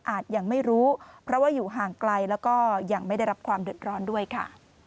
ยังไม่รู้เพราะว่าอยู่ห่างไกลแล้วก็ยังไม่ได้รับความเดือดร้อนด้วยค่ะ